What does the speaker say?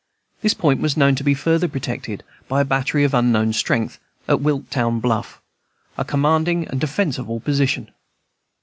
This point was known to be further protected by a battery of unknown strength, at Wiltown Bluff, a commanding and defensible situation.